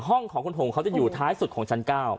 ห้องของคุณผงเขาจะอยู่ท้ายสุดของชั้น๙